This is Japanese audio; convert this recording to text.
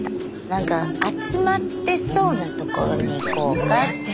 なんか集まってそうなところに行こうかって。